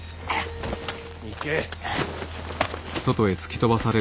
行け。